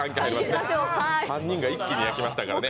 ３人が一気に焼きましたからね。